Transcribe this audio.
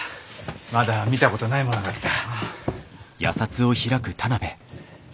まだ見たことないものがあった。